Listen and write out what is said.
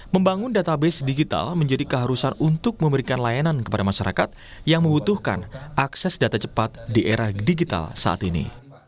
membangun database digital menjadi keharusan untuk memberikan layanan kepada masyarakat yang membutuhkan akses data cepat di era digital saat ini